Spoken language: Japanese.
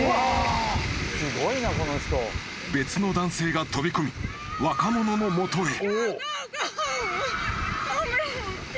［別の男性が飛び込み若者の元へ］